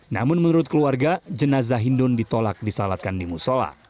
namun menurut keluarga jenazah hindun ditolak disalatkan di musola